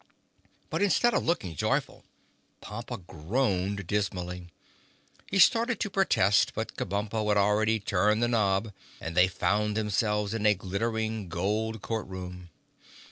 But instead of looking joyful Pompa groaned dismally. He started to protest but Kabumpo had already turned the knob and they found themselves in a glittering gold court room.